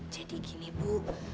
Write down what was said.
jadi gini bu